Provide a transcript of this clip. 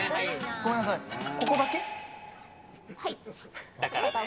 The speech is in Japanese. ごめんなさい、ここだはい。